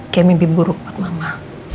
kayak mimpi buruk buat mama